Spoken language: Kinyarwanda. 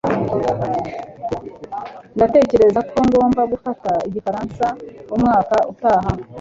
Ndatekereza ko ngomba gufata igifaransa umwaka utaha.